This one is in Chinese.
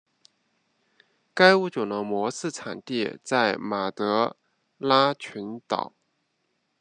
该物种的模式产地在马德拉群岛。